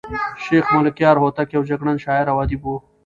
شېخ ملکیار هوتک یو جګړن شاعر او ادیب وو.